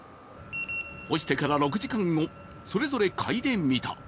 干してから６時間後、それぞれかいでみた。